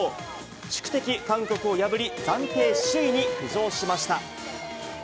宿敵、韓国を破り、暫定首位に浮上しました。